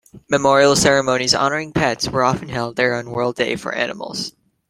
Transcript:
Memorial ceremonies honoring pets were often held there on World Day for Animals.